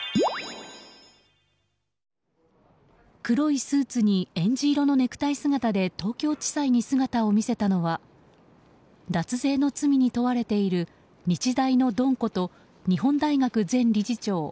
黒いスーツにえんじ色のネクタイ姿で東京地裁に姿を見せたのは脱税の罪に問われている日大のドンこと日本大学前理事長